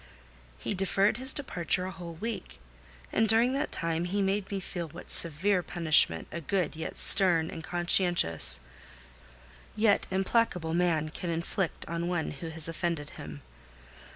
He deferred his departure a whole week, and during that time he made me feel what severe punishment a good yet stern, a conscientious yet implacable man can inflict on one who has offended him.